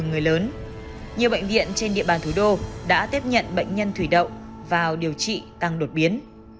nhiều người lớn nhiều bệnh viện trên địa bàn thủ đô đã tiếp nhận bệnh nhân thủy đậu vào điều trị tăng đột biến